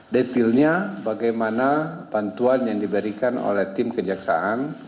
detilnya bagaimana bantuan yang diberikan oleh tim kejaksaan